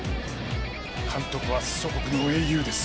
監督は祖国の英雄です。